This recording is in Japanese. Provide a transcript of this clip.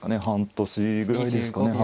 半年くらいですか。